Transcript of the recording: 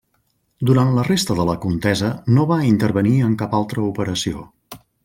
Durant la resta de la contesa no va intervenir en cap altra operació.